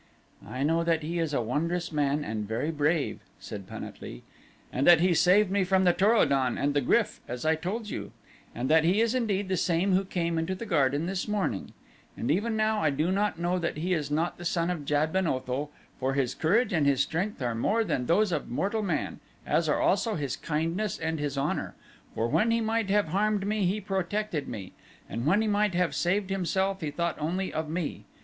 "I know that he is a wondrous man and very brave," said Pan at lee, "and that he saved me from the Tor o don and the GRYF as I told you, and that he is indeed the same who came into the garden this morning; and even now I do not know that he is not the son of Jad ben Otho for his courage and his strength are more than those of mortal man, as are also his kindness and his honor: for when he might have harmed me he protected me, and when he might have saved himself he thought only of me.